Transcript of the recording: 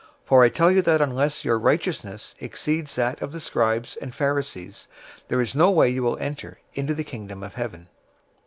005:020 For I tell you that unless your righteousness exceeds that of the scribes and Pharisees, there is no way you will enter into the Kingdom of Heaven.